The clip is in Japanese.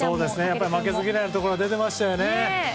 負けず嫌いなところが出てましたね。